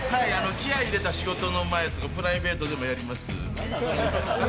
気合い入れた仕事の前とかプライベートでもやります。